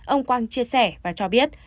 ông quang chia sẻ và cho biết